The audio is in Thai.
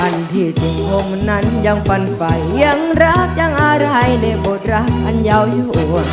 อันที่จริงผมนั้นยังฟันไฟยังรักยังอะไรในบทรักอันยาวอยู่